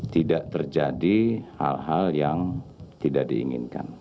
tidak terjadi hal hal yang tidak diinginkan